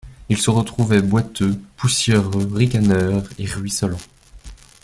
Ils se retrouvaient boiteux, poussiéreux, ricaneurs et ruisselants.